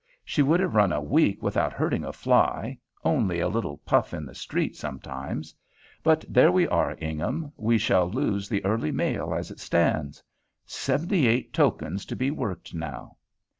She would have run a week without hurting a fly, only a little puff in the street sometimes. But there we are, Ingham. We shall lose the early mail as it stands. Seventy eight tokens to be worked now."